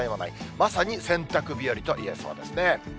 まさに洗濯日和といえそうですね。